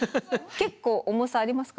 結構重さありますか？